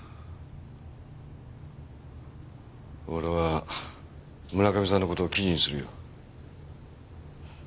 俺は村上さんの事を記事にするよ。